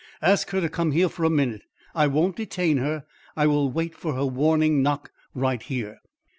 Ask her to come here for a minute. I won't detain her. I will wait for her warning knock right here."